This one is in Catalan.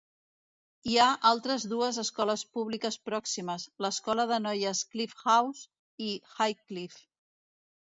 Hi ha altres dues escoles públiques pròximes, l'escola de noies Cliff House i Highcliffe.